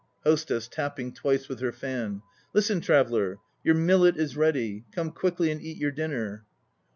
HOSTESS (tapping twice with her fan). Listen, traveller! Your millet is ready. Come quickly and eat your dinner.